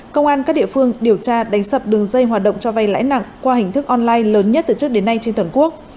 công an các địa phương điều tra đánh sập đường dây hoạt động cho vay lãi nặng qua hình thức online lớn nhất từ trước đến nay trên toàn quốc